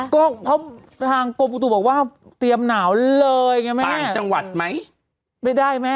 ก็เพราะทางกรมอุตุบอกว่าเตรียมหนาวเลยไงแม่ต่างจังหวัดไหมไม่ได้แม่